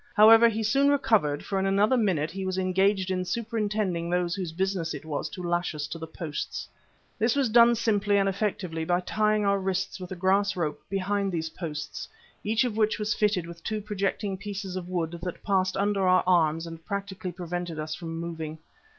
However, he soon recovered, for in another minute he was engaged in superintending those whose business it was to lash us to the posts. This was done simply and effectively by tying our wrists with a grass rope behind these posts, each of which was fitted with two projecting pieces of wood that passed under our arms and practically prevented us from moving.